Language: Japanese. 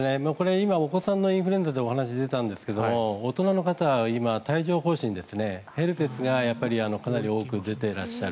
今、お子さんのインフルエンザでお話が出たんですが大人の方は今帯状疱疹、ヘルペスがかなり多く出てらっしゃる。